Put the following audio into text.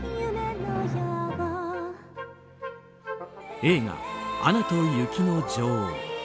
映画「アナと雪の女王」。